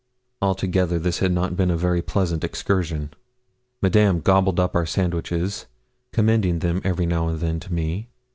Altogether this had not been a very pleasant excursion. Madame gobbled up our sandwiches, commending them every now and then to me.